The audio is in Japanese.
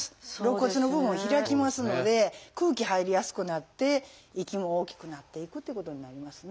肋骨の部分開きますので空気入りやすくなって息も大きくなっていくっていうことになりますね。